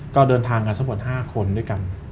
ก็เดินทางกันทั้งหมด๕คนด้วยกัน